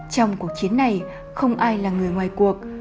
trong cuộc chiến này không ai là người ngoài cuộc